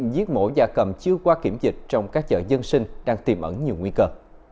giết mổ da cầm chưa qua kiểm dịch trong các chợ dân sinh đang tìm ẩn nhiều nguy cơ